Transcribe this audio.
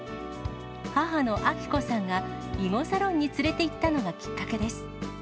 母の晶子さんが、囲碁サロンに連れて行ったのがきっかけです。